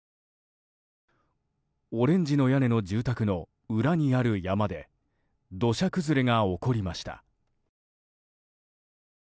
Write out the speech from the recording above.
オレンジの屋根の住宅の裏にある山で土砂崩れが起こりました。